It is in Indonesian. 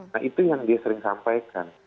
nah itu yang dia sering sampaikan